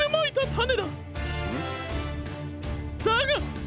だが。